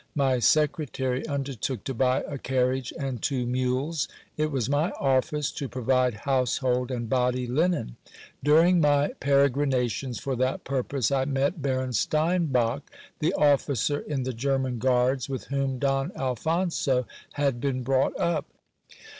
My secretary undertook to buy a car riage and two mules. It was my office to provide household and body linen. During my peregrinations for that purpose, I met Baron Steinbach, the officer in the German Guards with whom Don Alphonso had been brought up.